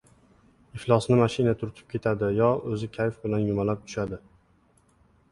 — Iflosni mashina turtib ketadi yo o‘zi kayf bilan yumalab tushadi".